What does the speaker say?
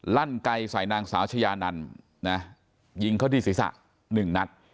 ลั่นไกลใส่นางสาวชายานันนะยิงเขาที่ศีรษะ๑นัด